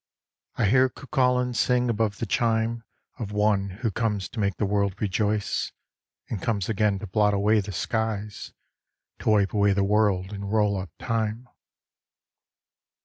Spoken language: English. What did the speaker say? I hear Cuchulain sing above the chime Of One Who comes to make the world rejoice, And comes again to blot away the skies, To wipe away the world and roll up Time."